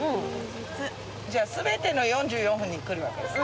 じゃあすべての４４分に来るわけですね。